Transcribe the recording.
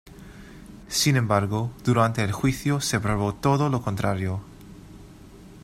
Sin embargo, durante el juicio se probó todo lo contrario.